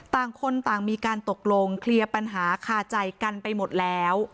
ต่างคนต่างมีการตกลงเคลียร์ปัญหาคาใจกันไปหมดแล้ว